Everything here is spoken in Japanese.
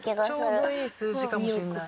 ちょうどいい数字かもしれない。